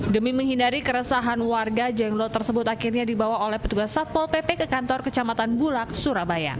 demi menghindari keresahan warga jenglot tersebut akhirnya dibawa oleh petugas satpol pp ke kantor kecamatan bulak surabaya